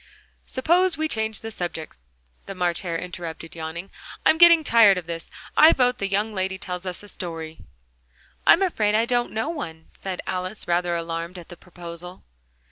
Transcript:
"Suppose we change the subject," the March Hare interrupted, yawning. "I'm getting tired of this. I vote the young lady tells us a story." "I'm afraid I don't know one," said Alice, rather alarmed at the proposal.